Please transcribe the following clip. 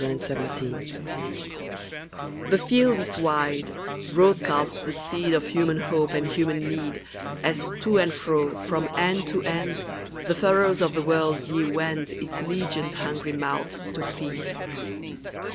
RONDEAU—SEED TIME THE field is wide, broadcast the seed Of human hope and human need, As, to and fro, from end to end, The furrows of the world ye wend Its legioned hungry mouths to feed.